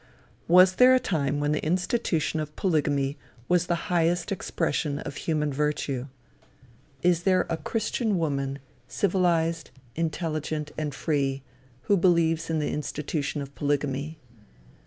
Was there a time when the institution of polygamy was the highest expression of human virtue? Is there a christian woman, civilized, intelligent, and free, who believes in the institution of polygamy?